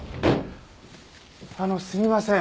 あのすみません。